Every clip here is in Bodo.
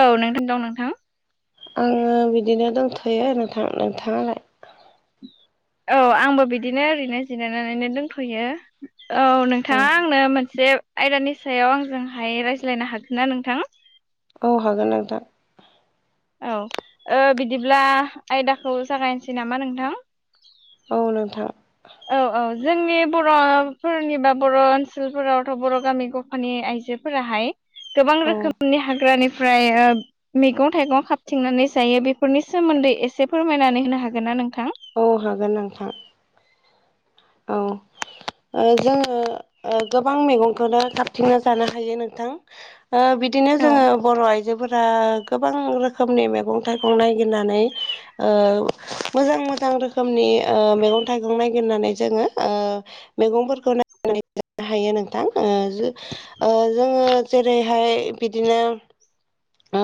औ नोंथां दं नोंथां। आङो बिदिनो दंथ'यो नोंथां। नोंथाङालाय? औ आंबो बिदिनो ओरैनो जिरायनानैनो दंथ'यो। औ औ नोंथाङा आंनो मोनसे आयदानि सायाव आंजोंहाय रायज्लायनो हागोन ना नोंथां? औ हागोन नोंथां। औ ओ बिदिब्ला आयदाखौ जागायनोसै नामा नोंथां? औ नोंथां। औ औ जोंनि बर'फोरनि बा बर' ओनसोलफोरावथ' बर' गामिखौ माने आइजोफोराहाय गोबां औ रोखोमनि हाग्रानिफ्राय ओ मैगं थाइगं खाबथिंनानै जायो बेफोरनि सोमोन्दै एसे फोरमायनानै होनो हागोन ना नोंथां? औ हागोन नोंथां। औ ओ जोङो ओ गोबां मेगंखौनो खाबथिंनो जानो हायो नोंथां। ओ बिदिनो औ जोङो बर' आइजोफोरा गोबां रोखोमनि मैगं थाइगं नायगिरनानै ओ मोजां मोजां रोखोमनि ओ मैगं थाइगं नायगिरनानै जोङो ओ मैगंफोरखौ [inaudible] जानो हायो नोंथां ओ जो ओ जोङो जेरैहाय बिदिनो ओ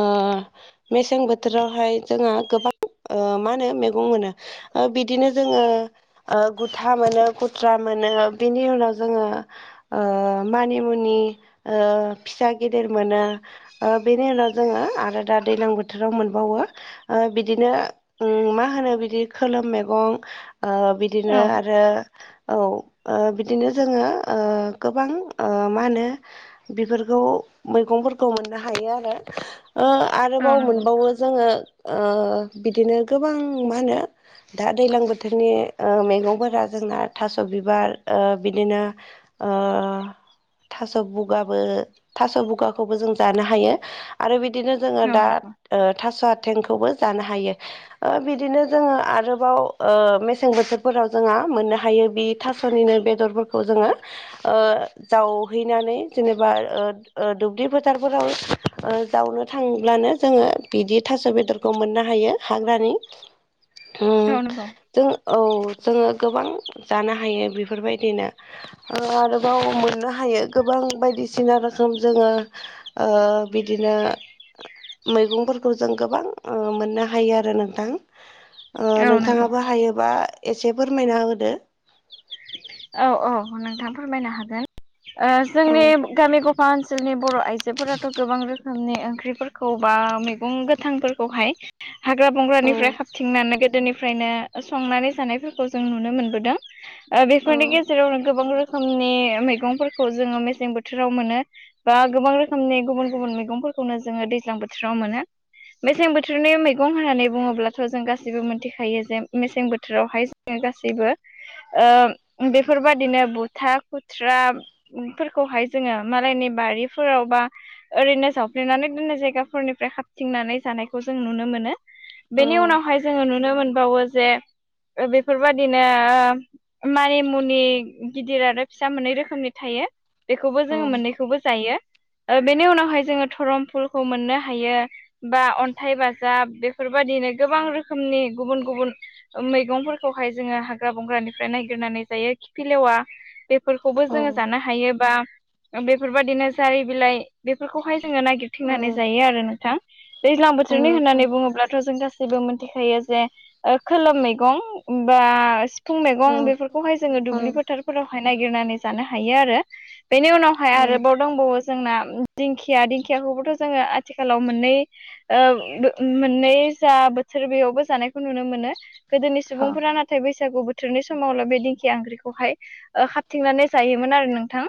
मेसें बोथोरावहाय जोंहा गोबां ओ मा होनो मैगं मोनो। ओ बिदिनो जोङो ओ गुथा मोनो गुथ्रा मोनो बेनि उनाव जोङो ओ मानि मुनि ओ फिसा गेदेर मोनो ओ बेनि उनाव जोङो आरो दा दैलां बोथोराव मोनबावो ओ बिदिनो उम मा होनो बिदि खोलोम मैगं ओ बि औ दिनो आरो औ ओ बिदिनो जोङो ओ गोबां ओ मा होनो बेफोरखौ मैगंफोरखौ मोननो हायो आरो। ओ औ आरोबाव नंगौ मोनबावो जोङो ओ बिदिनो गोबां मा होनो दा दैलां बोथोरनि ओ मैगंफोरा जोंना थास' बिबार ओ बिदिनो ओ थास' बुगाबो थास' बुगाखौबो जों जानो हायो। आरो बिदिनो जोङो औ दा नंगौ ओ थास'आथेंखौबो जानो हायो। ओ बिदिनो जोङो आरोबाव ओ मेसें बोथोरफोराव जोंहा मोननो हायो बि थास'निनो बेदरफोरखौ जोङो ओ जावहैनानै जेनेबा ओ ओ दुब्लि फोथारफोराव ओ जावनो थांब्लानो जोङो बिदि थास' बेदरखौ मोननो हायो हाग्रानि। अ औ नंगौ जों औ जोङो गोबां जानो हायो बेफोरबायदिनो। ओ आरोबाव मोननो हायो गोबां बायदिसिना रोखोम जोङो ओ बिदिनो मैगंफोरखौ जों गोबां ओ मोननो हायो आरो नोंथां। ओ औ नंगौ नोंथाङाबो हायोबा एसे फोरमायना होदो। औ औ नोंथां फोरमायनो हागोन। ओ औ जोंनि गामि गफा ओनसोलनि बर' आइ जोफोराथ' गोबां रोखोमनि ओंख्रिफोरखौ बा मैगं गोथांफोरखौहाय हाग्रा औ बंग्रानिफ्राय खाबथिंनानै गोदोनि निफ्रायनो ओ संनानै जानायफोरखौ जों नुनो मोनबोदों। ओ औ बेफोरनि गेजेराव [unintelligible] गोबां रोखोमनि मैगंफोरखौ जोङो मेसें बोथोराव मोनो। बा गोबां रोखोमनि गुबुन गुबुन मैगंफोरखौनो जोङो दैज्लां बोथोराव मोनो। मेसें बोथोरनि मैगं होननानै बुङोब्लाथ' जों गाससिबो मोनथिखायो जे मेसें बोथोरावहाय गासैबो ओ बेफोरबा दिनो बुथा खुथ्राफोरखौहाय जोङो मालायनि बारिफोराव बा ओरैनो जावफ्लेनानै दोननाय जायगाफोरनिफ्राय खाबथिंनानै जानायखौ जों नुनो मोनो। औ बेनि उनावहाय जोङो नुनो मोनबावो जे ओ बेफोरबायदिनो ओ मानिमुनि गिदिर आरो फिसा मोननै रोखोमनि थायो। बेखौबो औ जोङो मोननैखौबो जायो। ओ बेनि उनावहाय जोङो धरम फुलखौ मोननो हायो। बा अन्थाइ बाजाब बेफोरबादिनो गोबां रोखोमनि गुबुन गुबुन ओ मैगंफोरखौहाय जोंङो हाग्रा बंग्रानिफ्राय नायगिरनानै जायो‌। खिफिलेवा बेफोरखौबो जोंङो जानो हायो बा बेफोरबायदिनो जारि बिलाइ बेफोरखौहाय जोङो नागिरथिंनानै जायो आरो नोंथां। दैज्लां बोथोरनि होननानै बुंङोब्लाथ' जों गा गासैबो मोनथिखायो जे ओ खोलोम मैगं बा फुं मैगं बेफोरखौहाय जोङो दुब्लि फोथारफोरावहाय नागिरनानै जानो हायो आरो बेनि उनाव हाय आरोबाव दंबावो जोंना दिंखिया। दिंखियाखौबोथ' जोङो आथिखालाव मोननै ओ मोननै जा बोथोर बेयावबो जानायखौ नुनो मोनो। गोदोनि सुबुंफोरा नाथाय बैसागु बोथोरनि समावल' बे दिंखिया ओंख्रि खौहाय ओ खाबथिंनानै जायोमोन आरो नोंथां।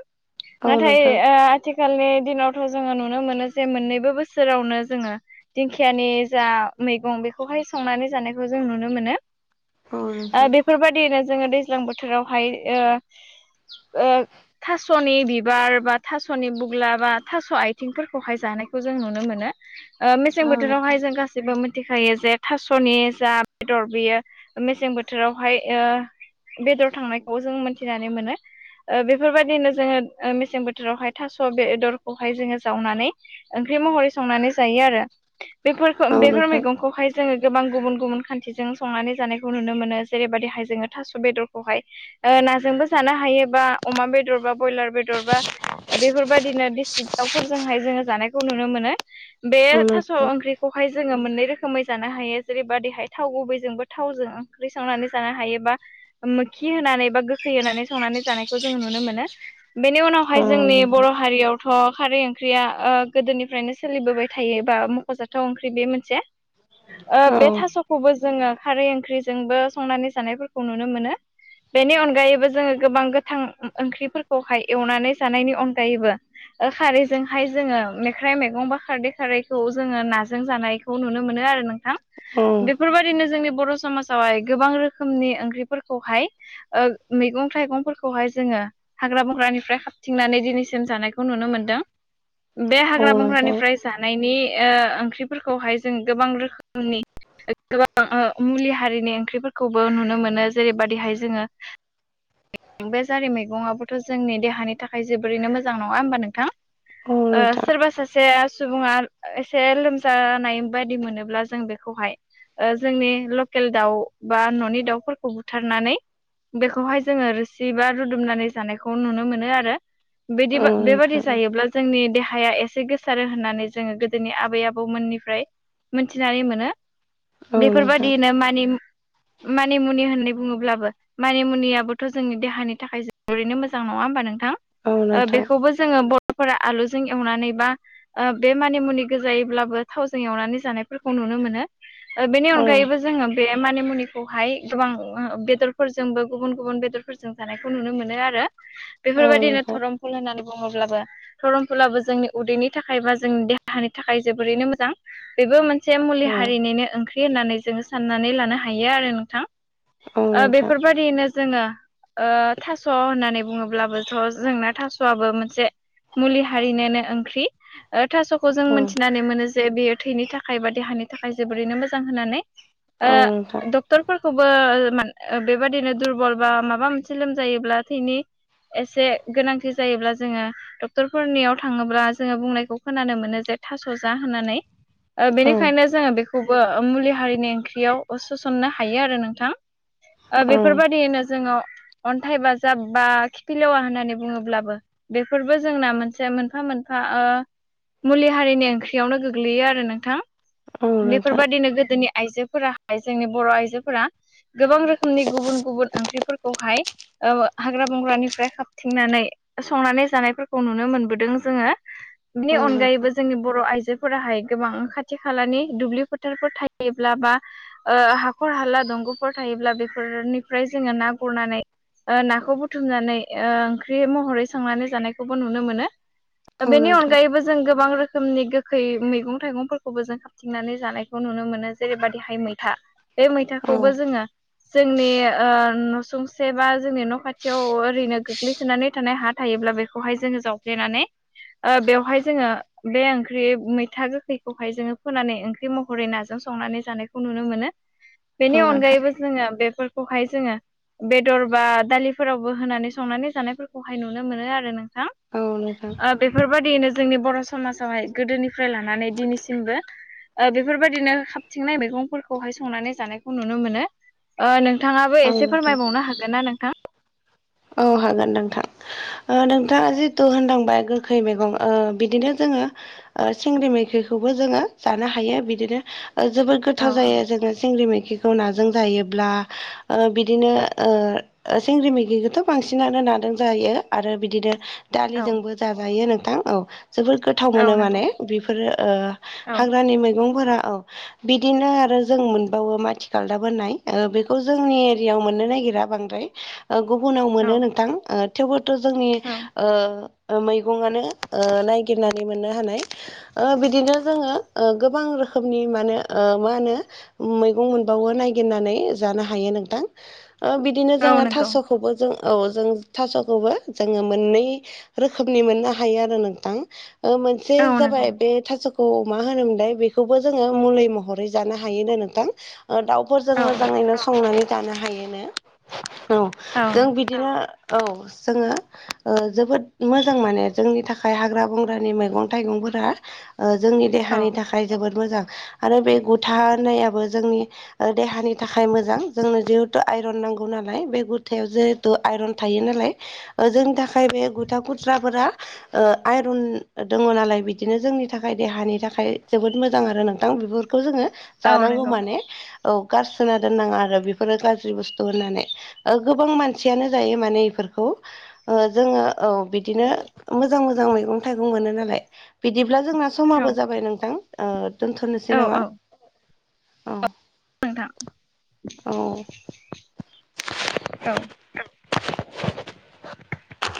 औ नोंथां नाथाय ओ [unintelligible] आथिखालनि दिनावथ' जोङो नुनो मोनो जे मोननैबो बोसोरावनो जोङो दिंखियानि जा मैगं बेखौहाय संनानै जानायखौ जों नुनो मोनो। औ ओ बेफोरबायदियैनो जोङो दैज्लां बोथोरावहाय ओ ओ थास'नि बिबार, बा थास'नि बुग्ला, बा थास' आथिंफोरखौहाय जानायखौ जों नुनो मोनो। ओ मेसें औ नोंथां औ नोंथां बोथोरावहाय जों गास सैबो मोनथिखायो जे थास'नि जा बेदर बियो मेसें बोथोरावहाय ओ बेदर थांनायखौ जों मोनथिनानै मोनो। ओ बेफोरबायदिनो जोङो ओ मेसें बोथोरावहाय थास' बेदरखौहाय जोङो जावनानै ओंख्रि महरै संनानै जायो आरो बेफोरखौ औ बेफोर नोंथां औ नोंथां मैगंखौहाय जोङो गोबां गुबुन गुबुन खान्थिजों संनानै जानायखौ नुनो मोनो। जेरैबादिहाय जोङो थास' बेदरखौहाय ओ नाजोंबो जानो हायोबा अमा बेदरबा बयलार बेदर बा बेफोरबायदिनो देसि दाउफोरजोंहाय जोङो जानायखौ नुनो मोनो। बे औ थास' नोंथां ओंख्रि खौहाय जोङो मोननै रोखोमै जानो हायो। जेरैबादिहाय थाव गुबैजोंबो थावजों ओंख्रि संनानै जानो हायो बा ओ मोखि होनानै बा गोखै होनानै संनानै जानायखौ जोङो नुनो मोनो। बेनि औ उनावहाय जोंनि नोंथां बर' हारियाव थ' खारै ओंख्रिया ओ गोदोनिफ्रायनो सोलिबोबाय थायो बा मख'जाथाव ओंख्रि बे मोनसे। ओ बे थास'खौबो जोङो खारै ओंख्रिजोंबो संनानै जानायफोरखौ नुनो मोनो। बेनि अनगायैबो जोङो गोबां गोथां ओंख्रिफोरखौहाय एवनानै जानायनि अनगायैबो ओ खारैजोंहाय जोङो मेख्राइ मैगं बा खारदै खारैखौ जोङो नाजों जानाय खौ नुनो मोनो आरो नोंथां। औ औ बेफोरबायदिनो जोंनि बर' समाजावहाय गोबां रोखोमनि ओंख्रिफोरखौहाय ओ मैगं थाइगंफोरखौहाय जोंङो हाग्रा बंग्रानिफ्राय हाबथिंनानै दिनैसिम जानायखौ नुनो मोनदों बे हाग्रा नोंथां बंग्रानिफ्राय जानायनि ओ ओंख्रिफोरखौहाय जों गोबां रोखोमनि गोबां ओ मुलि हारिनि ओंख्रिफोरखौबो नुनो मोनो जेरैबादिहाय जोंङो बे जारि मैगंआबोथ' जोंनि देहानि थाखाय जोबोरैनो मोजां नङा होमबा नोंथां। औ नोंथां औ ओ सोरबा सा एसे सुबुंङा एसे लोमजानाय बायदि मोनोब्ला जों बेखौहाय ओ जोंनि लकेल दाउ बा न'नि दाउफोरखौ बुथारनानै बेखौहाय जोंङो रोसि बा रुदुमनानै जानायखौ नुनो मोनो आरो। बिदि बेबादि नोंथां जायोब्ला जोंनि देहाया एसे गोसारो होननानै जोंङो गोदोनि आबै आबौमोननिफ्राय मिथिनानै मोनो। औ नोंथां बेफोरबादिनो मानि मानिमुनि होननानै बुंङोब्लाबो मानि मुनियाबोथ' जोंनि देहानि थाखाय जोबोरैनो मोजां नंङा होमबा नोंथां? औ नोंथां बेखौबो जोंङो बर'फोरा आलुजों एवनानै बा ओ बे मानि मुनि गोजायैब्लाबो थावजों एवनानै जानायफोरखौ नुनो मोनो। बेनि औ अनगायैबो जोंङो बे मानि मुनिखौहाय गोबां बेदर फोरजोंबो गुबुन गुबुन बेदरफोरजों जानायखौ नुनो मोनो। आरो औ बेफोरबायदिनो नोंथां धरम [unintelligible] होननानै बुङोब्लाबो धरम फुलाबो जोंनि उदैनि थाखाय बा जोंनि देहानि थाखाय जोबोरैनो मोजां। बेबो मोनसे मुलि ओम हारिनिनो ओंख्रि होननानै जोङो साननानै लानो हायो आरो नोंथां। औ नोंथां। ओरैनो जोङो थास' होननानै बुङोब्लाबोथ' जोंना थास'आबो मोनसे मुलि हारिनोनो ओंख्रि। थास'खौ जों ओम मोनथिनानै मोनो जे बेयो थैनि थाखाय बा देहानि थाखाय जोबोरैनो मोजां होननानै। ओ औ नोंथां डक्टरफोरखौबो [inaudible] बेबादिनो दुरबल बा माबा मोनसे लोमजायोब्ला थैनि एसे गोनांथि जायोब्ला जोङो डक्टरफोरनियाव थाङोब्ला जोङो बुंनायखौ खोनानो मोनो जे थास' जा होननानै। ओम बेनिखायनो जोङो बेखौबो मुलि हारिनि ओंख्रियाव सोसननो हायो आरो नोंथां। ओम बेफोरबायदियैनो जोङो अन्थाइ बाजाब बा खिफिलेवा होननानै बुङोब्लाबो बेफोरबो जोंना मोनसे मोनफा मोनफा ओ मुलि हारिनि ओंख्रियावनो गोग्लैयो आरो नोंथां। औ नोंथां बेफोरबायदिनो गोदोनि आइजोफोराहाय जोंनि बर' आइजोफोरा गोबां रोखोमनि गुबुन गुबुन ओंख्रिफोरखौहाय हाग्रा बंग्रानिफ्राय हाबथिंनानै संनानै जानायफोरखौ नुनो मोनबोदों जोङो। बिनि औ नोंथां अनगायैबो जोंनि बर' आइजो फोराहाय गोबां खाथि खालानि दुब्लि फोथारफोर थायोब्ला बा हाखर हाला दंग'फोर थायोब्ला बेफोरनिफ्राय जोङो ना गुरनानै ओ नाखौ बुथुमनानै ओ ओंख्रि महरै संनानै जानायखौबो नुनो मोनो। औ बेनि नोंथां अनगायैबो जों गोबां रोखोमनि गोखै मैगं थाइगंफोरखौबो जों थिनानै जानायखौ नुनो मोनो जेरैबादिहाय मैथा बे औ मैथाखौबो जोङो जोंनि ओ न'सुंसे बा जोंनि न' खाथियाव ओरैनो गोग्लैसोनानै थानाय हा थायोब्ला बेखौहाय जोङो जावफ्लेनानै ओ बेवहाय जोङो बे ओंख्रि मैथा गोखैखौहाय जोङो फोनानै ओंख्रि महरै नाजों संनानै जानायखौ नुनो मोनो। [inaudible] बेनि अनगायैबो जोङो बेफोरखौहाय जोङो बेदर बा दालिफोरावबो होनानै संनानै जानायफोरखौहाय नुनो मोनो आरो नोंथां। औ नोंथां बेफोरबायदियैनो जोंनि बर' समाजावहाय गोदोनिफ्राय लानानै दिनैसिमबो बेफोरबायदिनो खाबथिंनाय मैगंफोरखौहाय संनानै जानायखौ नु मोनो। नुनो मोनो नोंथाङाबो औ एसे नोंथां फोरमायबावनो हागोन ना नोंथां। औ हागोन नोंथां। नोंथाङा जिथु होनदांबाय गोखै मैगं ओ बिदिनो जोङो सिंग्रि मैखैखौबो जोङो जानो हायो बिदिनो जोबोद औ गोथाव जायो जोङो सिंग्रि मैखिखौ खौ नाजों जायोब्ला बिदिनो सिंग्रि मैगिखौथ' बांसिनानो नादों जायो आरो बिदिनो दालिजोंबो जाजायो नोंथां औ जोबोद गोथाव गोथाव औ मोनो नंगौ माने बेफोरो औ हाग्रानि मैगंफोरा औ बिदिनो आरो जों मोनबावो माथि खालदाब होननाय बेखौ जोंनि एरियाव मोननो नागिरा। बांद्राय गुबुनाव औ मोनो नोंथां थेवबोथ' जोंनि औ ओ मैगंआनो ओ नायगिरनानै मोननो हानाय। ओ बिदिनो जोङो गोबां रोखोमनि ओ माने मा होनो। मैगं मोनबावो नायगिरनानै जानो हायो नोंथां बिदिनो औ जोङो नंगौ थास' खौबो जों औ जों थास'खौबो जोङो मोननै रोखोमनि मोननो हायो आरो नोंथां मोनसे औ नंगौ जाबाय बे थास' मा होनोमोनलाय बेखौबो जोङो मुलि महरै जानो हायोनो नोंथां दाउ। औ मोैनो संनानै ज ह औ जों। बिदिनो औ जोङो जोबोद मोजां माने जोंनि थाखाय हाग्रा बंग्रानि मैगं थाइगंफोरा। ओ जोंनि औ देहानि थाखाय जोबोद मोजां आरो बे गुथानायाबो जोंनि। ओ देहानि थाखाय मोजां जोंनो जिहेथु आइरन नांगौ नालाय बे। गुथायाव जिहेथु आयरन थायो नालाय जोंनि थाखाय बे गुथा गुथ्राफोरा। ओ आइरन दङ नालाय बिदिनो जोंनि थाखाय देहानि थाखाय जोबोद मोजां आरो नोंथां बेफोरखौ जोङो। औ जानांगौ नंगौ माने औ गारसोना दोननाङा आरो बेफोरो गाज्रि बुस्थु होननानै। गोबां मानसियानो जायो माने इफोरखौ जोङो। औ बिदिनो मोजां मोजां मैगं थाइगं मोनो नालाय। बिदिब्ला जोंना औ समाबो जाबाय नोंथां औ दोनथ'नोसै नामा। औ औ। नोंथां औ औ। [inaudible]